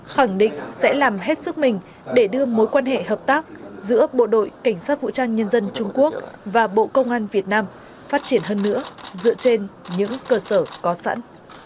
khẳng định sẽ làm hết sức mình để đưa mối quan hệ hợp tác giữa bộ đội cảnh sát vũ trang nhân dân trung quốc và bộ công an việt nam phát triển hơn nữa dựa trên những cơ sở có sẵn